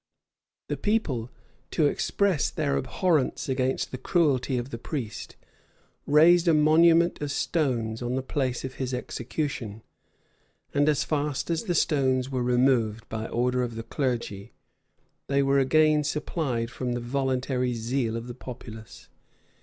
The people, to express their abhorrence against the cruelty of the priests, raised a monument of stones on the place of his execution; and as fast as the stones were removed by order of the clergy, they were again supplied from the voluntary zeal of the populace.